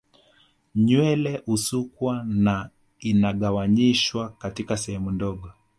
Nywele husukwa na inagawanyishwa katika sehemu ndogo